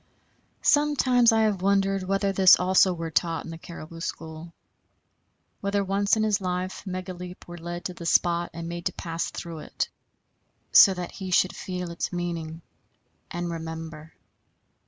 Sometimes I have wondered whether this also were taught in the caribou school; whether once in his life Megaleep were led to the spot and made to pass through it, so that he should feel its meaning and remember.